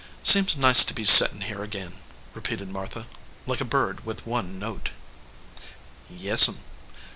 "Seems nice to be settin here ag in," repeated Martha, like a bird with one note. "Yes m."